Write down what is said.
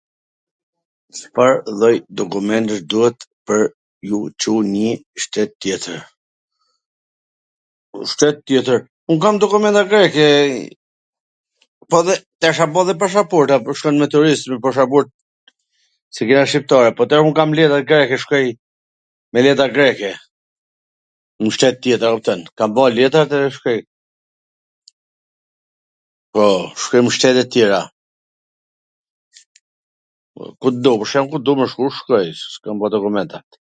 Cfar lloj dokumentesh duhet pwr t udhtu nw njw shtet tjetwr? Po, shtet tjetwr? Un kam dokumenta greke, po dhe, tash a bo dhe pashaporta po shkon me turist, pashaport... s e kena shqiptare... po un kam letrat greke, shkoj me letra greke, mw shtet tjetwr a kupton, kam ba letrat edhe shkoj, po, shkoj mw shtete tjera., ku t du, pwr shembull, ku t dus me shku shkoj, se kam bo dokumentat